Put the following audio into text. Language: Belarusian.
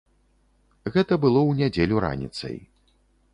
Гэта было ў нядзелю раніцай.